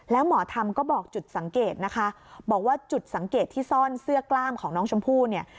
แล้วหมอธรรมก็บอกจุดสังเกตนะคะบอกว่าจุดสังเกตที่ซ่อนเสื้อกล้ามของน้องชมพู่เนี่ย